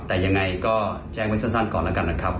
แต่ยังไงก็แจ้งไว้สั้นก่อนแล้วกันนะครับ